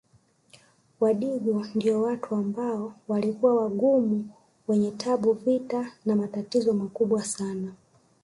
Wadigo ndio watu ambao walikuwa wagumu wenye tabu vita na matatizo makubwa sana